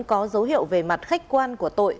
có dấu hiệu về mặt khách quan của tội